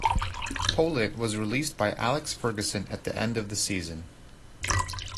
Pollitt was released by Alex Ferguson at the end of the season.